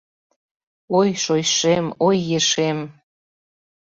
Ой, шочшем, ой, ешем